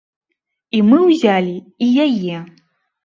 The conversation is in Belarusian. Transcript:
І мы ўзялі і яе.